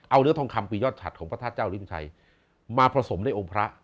เอาเนื้อทองคำปียอดฉัดของพระธาตุเจ้าลิ้นชัยมาผสมในองค์พระ